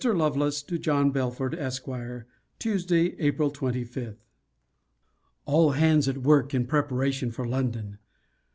LOVELACE, TO JOHN BELFORD, ESQ. TUESDAY, APRIL 25. All hands at work in preparation for London.